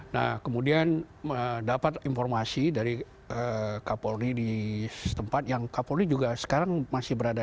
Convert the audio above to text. nah kemudian mendapat informasi dari kapolri di tempat yang kapolri juga sekarang masih berada